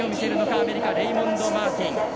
アメリカレイモンド・マーティン。